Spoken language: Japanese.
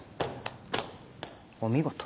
お見事。